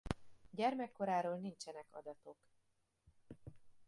Gyermekkoráról nincsenek adatok.